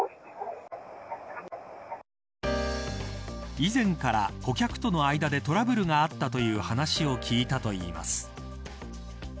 以前から、顧客との間でトラブルがあったという話を聞いたといいます。